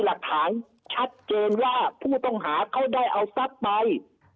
หลักฐานชัดเจนว่าผู้ต้องหาเขาได้เอาทรัพย์ไป